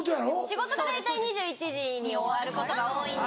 仕事が大体２１時に終わることが多いんで。